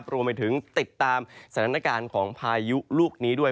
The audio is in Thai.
รวมไปถึงติดตามสถานการณ์ของพายุลูกนี้ด้วย